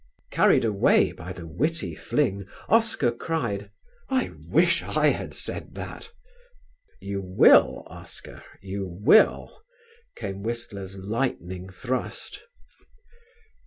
Carried away by the witty fling, Oscar cried: "I wish I had said that." "You will, Oscar, you will," came Whistler's lightning thrust.